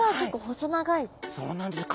そうなんですね。